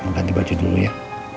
mau ganti baju dulu ya